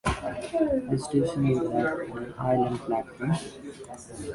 This station will have an island platform.